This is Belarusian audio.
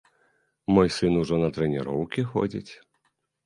Мой сын ужо на трэніроўкі ходзіць.